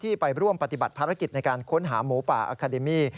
ไปร่วมปฏิบัติภารกิจในการค้นหาหมูป่าอาคาเดมี่